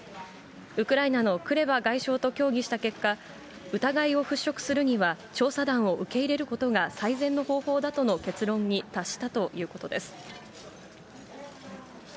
ウクライナのクレバ外相と協議した結果、疑いを払拭するには調査団を受け入れることが最善の方法だとの結論に達したということです。